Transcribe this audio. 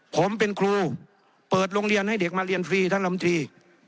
ผมเป็นครูเปิดโรงเรียนให้เด็กมาเรียนฟรีท่านลำตรี